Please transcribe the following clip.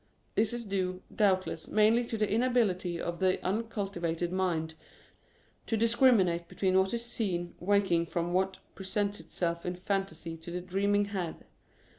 This is due, doubtless, mainly to the inability of the uncultivated mind to discriminate between what is seen waking from what presents itself in phantasy to the dreaming head.